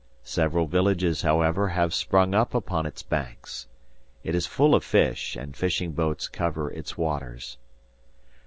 Several villages, however, have sprung up upon its banks. It is full of fish, and fishing boats cover its waters.